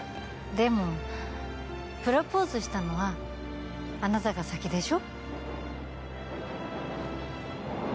でも、プロポーズしたのはあなたが先でしょ。